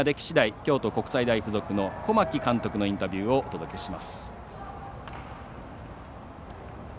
京都国際の小牧監督のインタビューをお届けします。